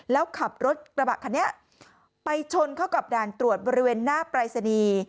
แล้วขับรถกระบะคันนี้ไปชนเข้ากับด่านตรวจบริเวณหน้าปรายศนีย์